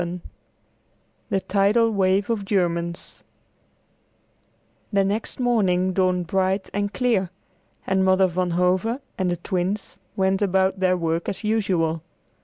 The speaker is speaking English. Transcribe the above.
VII THE TIDAL WAVE OF GERMANS The next morning dawned bright and clear, and Mother Van Hove and the Twins went about their work as usual.